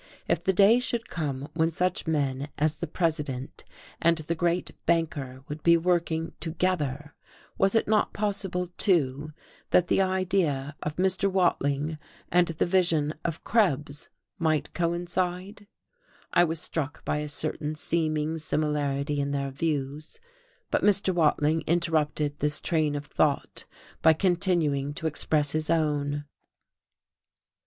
If the day should come when such men as the President and the great banker would be working together, was it not possible, too, that the idea of Mr. Watling and the vision of Krebs might coincide? I was struck by a certain seeming similarity in their views; but Mr. Watling interrupted this train of thought by continuing to express his own.